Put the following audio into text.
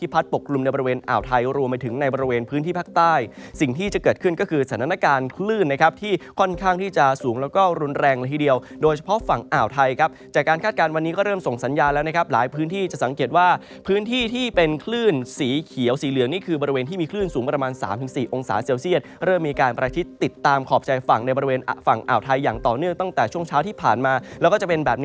เพราะฝั่งอ่าวไทยครับจากการคาดการณ์วันนี้ก็เริ่มส่งสัญญาแล้วนะครับหลายพื้นที่จะสังเกตว่าพื้นที่ที่เป็นคลื่นสีเขียวสีเหลืองนี่คือบริเวณที่มีคลื่นสูงประมาณ๓๔องศาเซลเซียสเริ่มมีการประทิตติดตามขอบใจฝั่งในบริเวณฝั่งอ่าวไทยอย่างต่อเนื่องตั้งแต่ช่วงเช้าที่ผ่านมาแล้วก็